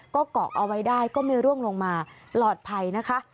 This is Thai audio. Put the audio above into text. ก็เกาะเอาไว้ได้ก็ไม่ร่วงลงมาปลอดภัยนะคะ